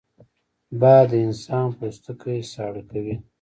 باد د انسان پوستکی ساړه کوي